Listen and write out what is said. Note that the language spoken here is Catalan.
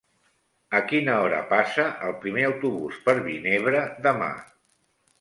A quina hora passa el primer autobús per Vinebre demà?